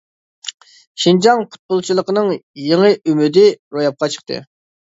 شىنجاڭ پۇتبولچىلىقىنىڭ يېڭى ئۈمىدى روياپقا چىقتى.